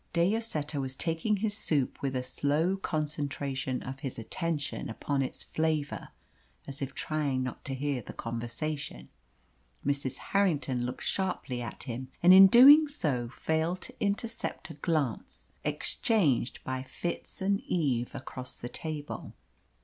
De Lloseta was taking his soup with a slow concentration of his attention upon its flavour, as if trying not to hear the conversation. Mrs. Harrington looked sharply at him, and in doing so failed to intercept a glance, exchanged by Fitz and Eve across the table.